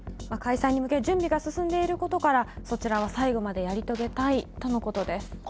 まあ開催に向け準備が進んでいることから「そちらは最後までやり遂げたい」とのことです。